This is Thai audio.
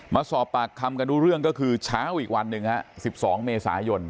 มาสอบปากคำกันรู้เรื่องก็คือเช้าอีกวันหนึ่งฮะ๑๒เมษายน